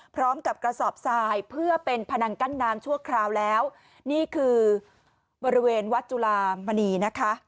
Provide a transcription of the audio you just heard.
พร้อมกับกระสอบทรายเพื่อเป็นพนังกั้นน้ำชั่วคราวแล้วนี่คือบริเวณวัดจุลามณีนะคะ